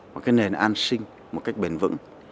một cái nền an sinh một cách bền vững